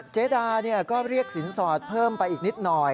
เจดาก็เรียกสินสอดเพิ่มไปอีกนิดหน่อย